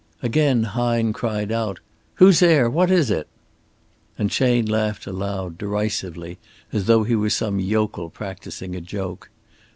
Again, Hine cried out: "Who's there? What is it?" And Chayne laughed aloud derisively, as though he were some yokel practising a joke.